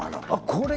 これ